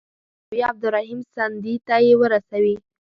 چي مولوي عبدالرحیم سندي ته یې ورسوي.